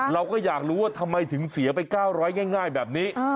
เราก็อยากรู้ว่าทำไมถึงเสียไป๙๐๐ง่ายแบบนี้